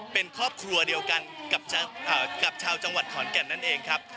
เป็นครอบครัวเดียวกันกับชาวจังหวัดขอนแก่นนั่นเองครับ